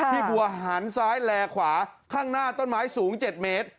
พี่บัวหันซ้ายแลขวาข้างหน้าต้นไม้สูง๗เมตร